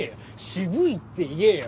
渋いって言えよ。